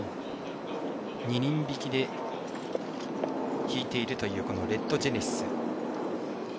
２人引きで引いているというレッドジェネシス。